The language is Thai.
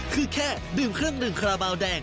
คือแค่ดื่มเครื่องดื่มคาราบาลแดง